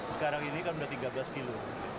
sekarang ini kan sudah tiga belas kilo